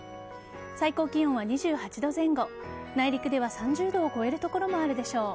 最高気温は２８度前後内陸では３０度を超える所もあるでしょう。